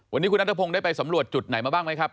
วันนี้คุณนัทพงศ์ได้ไปสำรวจจุดไหนมาบ้างไหมครับ